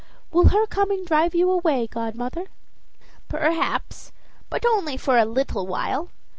Will her coming drive you away, godmother?" "Perhaps; but only for a little while.